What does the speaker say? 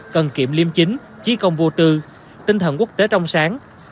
cần kiệm liêm chính trí công vô tư tinh thần quốc tế trong sáng